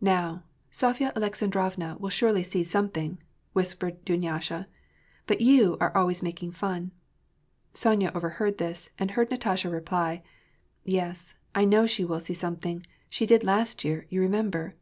"Now, Sofya Aleksandrovna will surely see something," whispered Dunyasha. " But you are always making fun." Sonya overheard this, and heard Natasha reply, —" Yes, I know she will see something ; she did last year, you remember."